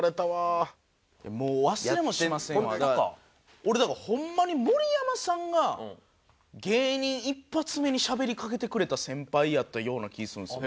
俺だからホンマに盛山さんが芸人一発目にしゃべりかけてくれた先輩やったような気するんですよ。